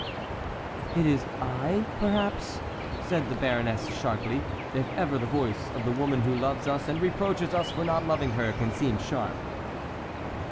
"It is I, perhaps," said the baroness, sharply,—if ever the voice of the woman who loves us and reproaches us for not loving her can seem sharp.